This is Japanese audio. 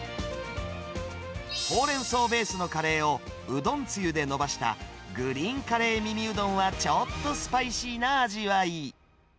ほうれん草ベースのカレーをうどんつゆでのばした、グリーンカレー耳うどんは、ちょっとスパイシーな味わい。